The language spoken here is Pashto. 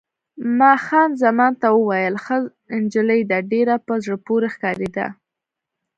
ما خان زمان ته وویل: ښه نجلۍ ده، ډېره په زړه پورې ښکارېده.